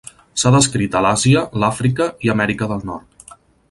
S'ha descrit a l'Àsia, l'Àfrica i Amèrica del Nord.